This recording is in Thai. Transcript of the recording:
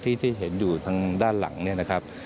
ที่ที่เห็นอยู่ทางด้านหลังนะครับ